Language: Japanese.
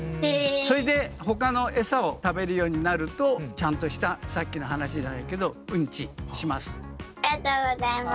それでほかのエサを食べるようになるとちゃんとしたさっきの話じゃないけどありがとうございます。